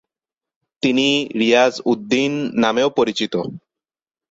তিনি রিয়াজ-উদ-দ্বীন নামেও পরিচিত।